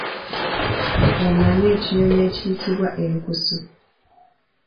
Omanyi ekinyonyi ekiyitibwa enkusu?